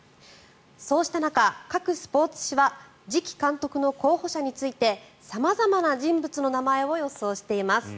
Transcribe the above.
そうした中、各スポーツ紙は次期監督の候補者について様々な人物の名前を予想しています。